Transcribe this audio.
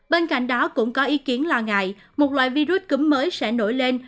bên cạnh đó cũng có ý kiến lo ngại một loại virus cúm mới sẽ nổi lên